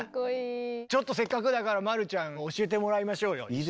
ちょっとせっかくだから丸ちゃん教えてもらいましょうよ一緒に。